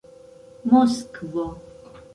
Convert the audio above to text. moskvo